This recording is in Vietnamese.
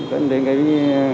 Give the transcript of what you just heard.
vẫn đến cái